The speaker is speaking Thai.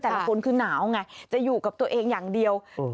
คนคือหนาวไงจะอยู่กับตัวเองอย่างเดียวอืม